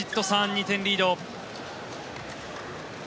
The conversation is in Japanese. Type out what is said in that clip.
２点リード。